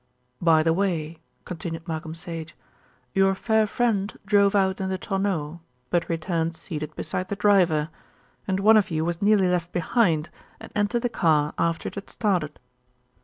"By the way," continued Malcolm Sage, "your fair friend drove out in the tonneau; but returned seated beside the driver, and one of you was nearly left behind and entered the car after it had started."